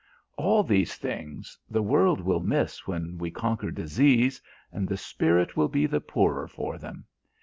All these things, the world will miss when we conquer disease, and the spirit will be the poorer for them.